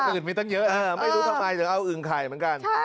อื่นมีตั้งเยอะไม่รู้ทำไมถึงเอาอึ่งไข่เหมือนกัน